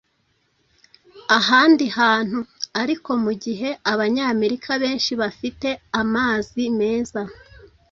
ahandi hantu. Ariko mu gihe Abanyamerika benshi bafite amazi meza